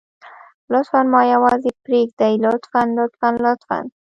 لطفاً ما يوازې پرېږدئ لطفاً لطفاً لطفاً.